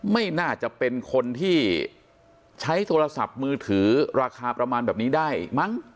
ไม่น่าจะเป็นคนที่ใช้โทรศัพท์มือถือราคาประมาณแบบนี้ได้มั้ง